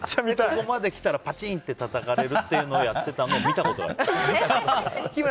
ここまで来たらパチンってたたかれるっていうのを見たことがある。